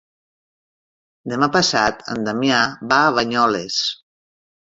Demà passat en Damià va a Banyoles.